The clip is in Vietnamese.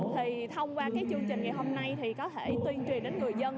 thì thông qua cái chương trình ngày hôm nay thì có thể tuyên truyền đến người dân